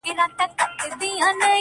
o ناړي چي تو سي، بيرته نه اخيستلي کېږي٫